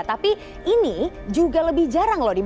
tapi ini juga lebih jarang loh